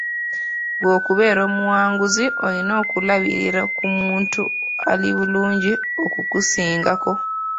Gwe okubeera omuwanguzi olina okulabira ku muntu ali obulungi okukusingako.